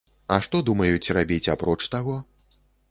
А што думаюць рабіць апроч таго?